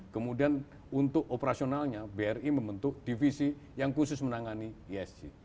kemudian untuk operasionalnya bri membentuk divisi yang khusus menangani esg